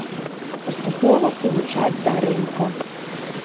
Паступова прывучаць да рынка.